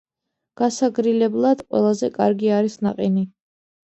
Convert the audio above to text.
გასაგრილებლად ყველაზე კარგი არის ნაყინი